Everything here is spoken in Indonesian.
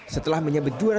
setelah menyabet juara satu